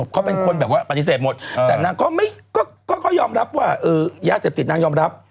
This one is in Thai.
เขาเป็นคนแบบว่าปฏิเสธหมดแต่นางก็ยอมรับว่ายาเสพติดนางยอมรับ